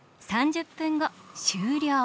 ３０分後終了。